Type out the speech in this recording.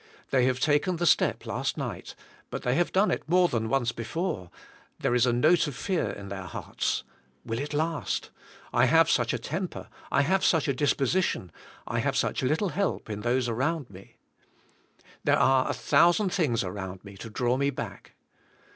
They have taken the step last night, but they have done it more than once before, there is a note of fear in their hearts. Will it last? I have such a temper, I have such a disposition, I have such little help in those around me. There are a thousand things around me to draw me back.